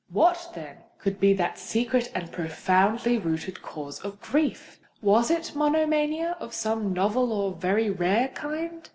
What, then, could be that secret and profoundly rooted cause of grief? Was it monomania of some novel or very rare kind?